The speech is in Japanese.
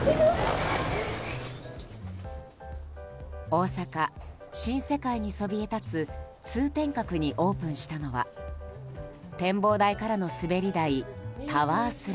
大阪・新世界にそびえ立つ通天閣にオープンしたのは展望台からの滑り台ＴＯＷＥＲＳＬＩＤＥＲ。